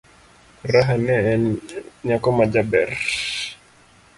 Raha ne en nyako majaber.